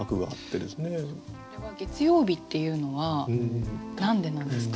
これは「月曜日」っていうのは何でなんですか。